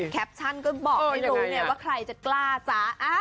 แคปชั่นก็บอกให้รู้เนี่ยว่าใครจะกล้าจ้ะ